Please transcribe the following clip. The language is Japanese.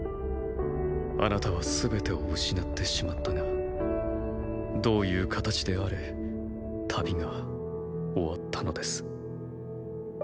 あなたは全てを失ってしまったがどういう形であれ旅が終わったのです。